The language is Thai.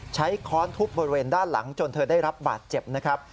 ค้อนทุบบริเวณด้านหลังจนเธอได้รับบาดเจ็บนะครับ